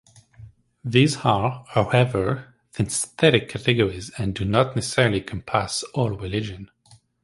These are, however, synthetic categories and do not necessarily encompass all religions.